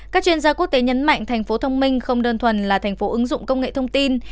các chuyên gia quốc tế nhấn mạnh tp đà nẵng không đơn thuần là thành phố ứng dụng công nghệ thông tin